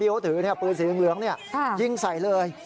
โอ้โหถือเนี่ยปืนสีเหลืองเนี่ยยิงใส่เลย